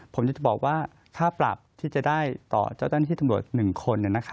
ผมจะบอกว่าค่าปรับที่จะได้ต่อเจ้าหน้าที่ตำรวจ๑คน